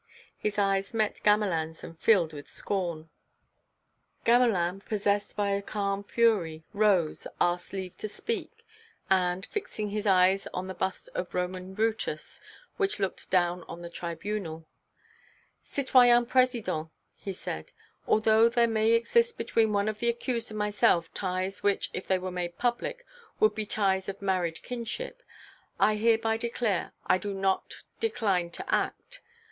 His eyes met Gamelin's and filled with scorn. Gamelin, possessed by a calm fury, rose, asked leave to speak, and, fixing his eyes on the bust of Roman Brutus, which looked down on the Tribunal: "Citoyen President," he said, "although there may exist between one of the accused and myself ties which, if they were made public, would be ties of married kinship, I hereby declare I do not decline to act.